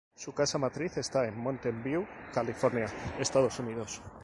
Su casa matriz está en Mountain View, California, Estados Unidos.